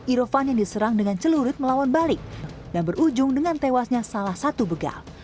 irfan yang diserang dengan celurit melawan balik dan berujung dengan tewasnya salah satu begal